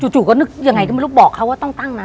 จู่ก็อย่างไงก็ไม่รู้บอกเขนว่าตั้งตั้งนะ